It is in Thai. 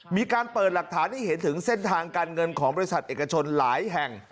มีการเปิดหลักฐานให้เห็นถึงเส้นทางการเงินของบริษัทเอกชนหลายแห่ง